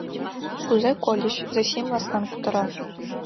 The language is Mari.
Кузе кольыч, — Зосим ласкан кутыра.